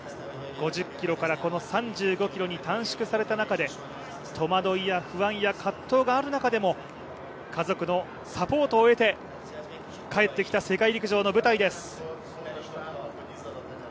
５０ｋｍからこの３５ｋｍに短縮された中で戸惑いや不安や葛藤がある中でも家族のサポートを得て帰ってきた世界陸上の舞台です。